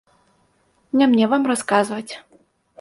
Не мне вам расказваць!